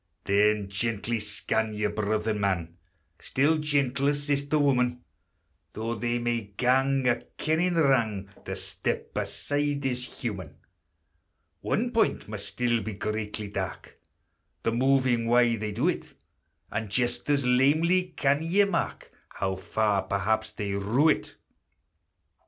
Then gently scan your brother man, Still gentler sister woman; Though they may gang a kennin' wrang, To step aside is human. One point must still be greatly dark, The moving why they do it; And just as lamely can ye mark How far perhaps they rue it.